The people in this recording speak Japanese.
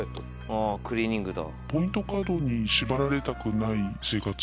あぁクリーニングだ。